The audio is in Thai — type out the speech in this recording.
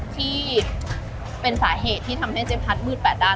ที่เป็นสาเหตุที่ทำให้เจ๊พัดมืดแปดด้าน